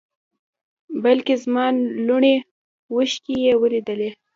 بلکې زما لومړنۍ اوښکې یې ولیدې.